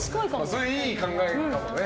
それ、いい考えかもね。